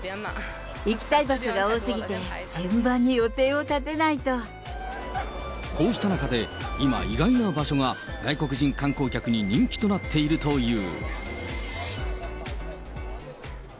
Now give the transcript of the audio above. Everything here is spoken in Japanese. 行きたい場所が多すぎて、こうした中で、今、意外な場所が外国人観光客に人気となっているという。